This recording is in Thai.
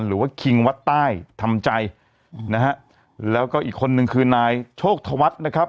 คิงวัดใต้ทำใจนะฮะแล้วก็อีกคนนึงคือนายโชคธวัฒน์นะครับ